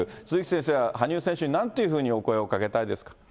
都築先生は羽生選手になんというふうにお声をかけたいですか。